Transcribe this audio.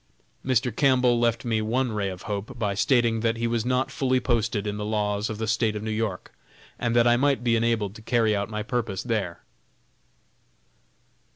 Mr. Campbell left me one ray of hope by stating that he was not fully posted in the laws of the State of New York, and that I might be enabled to carry out my purpose there.